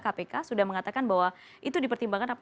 kpk sudah mengatakan bahwa itu dipertimbangkan